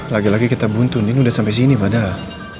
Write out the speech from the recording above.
lagi lagi kita buntu din udah sampai sini padahal